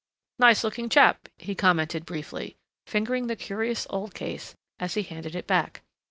"Nice looking chap," he commented briefly, fingering the curious old case as he handed it back.